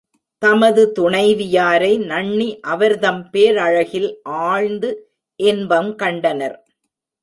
தமது துணைவியரை நண்ணி அவர்தம் பேரழகில் ஆழ்ந்து இன்பங் கண்டனர்.